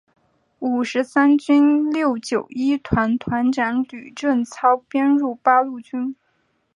五十三军六九一团团长吕正操编入八路军。